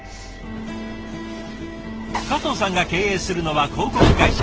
加藤さんが経営するのは広告会社。